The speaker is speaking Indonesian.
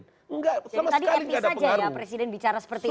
tadi mp saja ya presiden bicara seperti itu